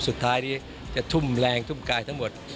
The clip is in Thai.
สุดท้ายนี้จะทุ่มแรงทุ่มกายทั้งหมด